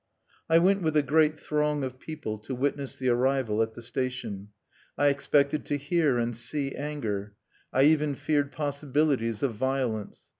I went with a great throng of people to witness the arrival at the station. I expected to hear and see anger; I even feared possibilities of violence.